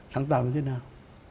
sáng tạo như thế nào